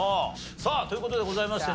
さあという事でございましてね